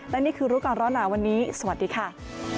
และนี่คือรู้ก่อนร้อนหนาวันนี้สวัสดีค่ะ